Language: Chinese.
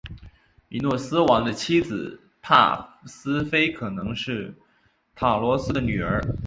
米诺斯王的妻子帕斯菲可能是塔罗斯的女儿。